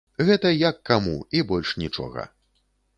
Гэта як каму, і больш нічога.